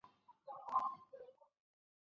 贝利茨是德国勃兰登堡州的一个市镇。